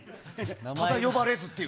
ただ呼ばれずっていうね。